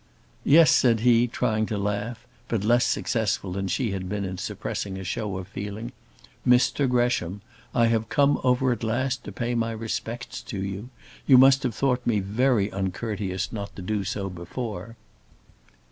"Yes," said he, trying to laugh, but less successful than she had been in suppressing a show of feeling. "Mr Gresham! I have come over at last to pay my respects to you. You must have thought me very uncourteous not to do so before."